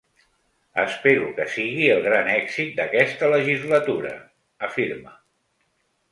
“Espero que sigui el gran èxit d’aquesta legislatura”, afirma.